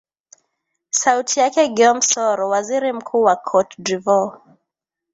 sauti yake giom soro waziri mkuu wa cote dvoire